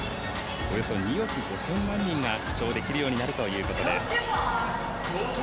およそ２億５０００万人が視聴できるようになるということです。